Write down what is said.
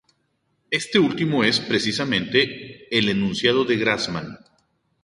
Este último es, precisamente, el enunciado de Grassmann.